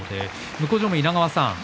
向正面の稲川さん